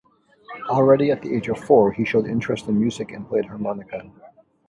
Already at the age of four he showed interest in music and played harmonica.